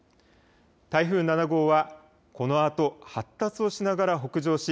台風７号はこのあと発達をしながら北上し